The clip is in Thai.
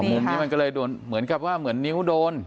มุมนี้มันก็เลยโดนเหมือนกับว่าเหมือนนิ้วโดน